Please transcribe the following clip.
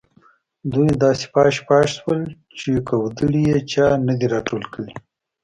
دوی داسې پاش پاش شول چې کودړي یې چا نه دي راټول کړي.